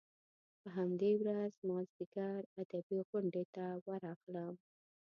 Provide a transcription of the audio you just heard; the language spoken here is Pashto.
په همدې ورځ مازیګر ادبي غونډې ته ورغلم.